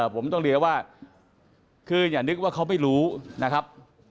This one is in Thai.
ผมต้องเรียกว่าคืออย่านึกว่าเขาไม่รู้นะครับ